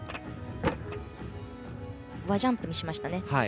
輪ジャンプにしましたね。